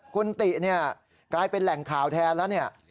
คุณติเนี่ยกลายเป็นแหล่งข่าวแทนแล้วเนี่ย